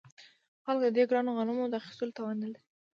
خلک د دې ګرانو غنمو د اخیستلو توان نلري